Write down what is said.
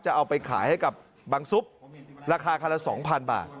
เอาไปขายให้กับบังซุปราคาคันละ๒๐๐บาท